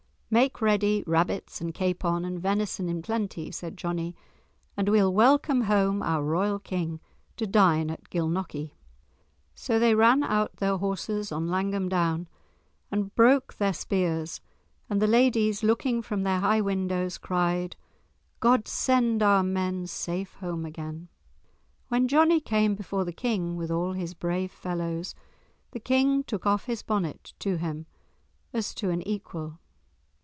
"Make ready rabbits and capon and venison in plenty," said Johnie, "and we'll welcome home our royal King to dine at Gilnockie." So they ran out their horses on Langholm Down, and broke their spears, and the ladies, looking from their high windows, cried "God send our men safe home again." When Johnie came before the King with all his brave fellows, the King took off his bonnet to him as to an equal.